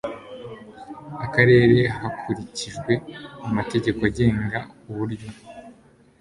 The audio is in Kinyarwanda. akarere hakurikijwe amategeko agenga uburyo